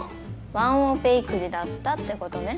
ワンオペ育児だったってことね。